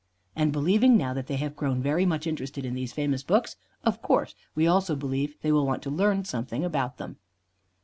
And, believing now that they have grown very much interested in these famous books, of course we also believe they want to learn something about them.